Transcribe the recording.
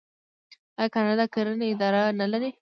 آیا کاناډا د کرنې اداره نلري؟